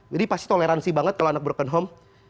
jadi pasti toleransi banget kalau anak broken home